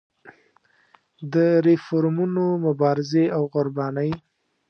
د ریفورمونو مبارزې او قربانۍ.